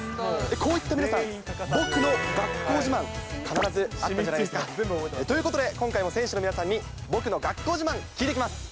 こういった皆さん、僕の学校自慢、必ずあるんじゃないですか。ということで、今回も選手の皆さんに、僕の学校自慢、聞いてきます。